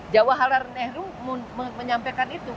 jawa halal dan nehru menyampaikan itu